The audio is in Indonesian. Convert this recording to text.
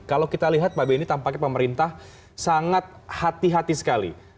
kalau kita lihat pak benny tampaknya pemerintah sangat hati hati sekali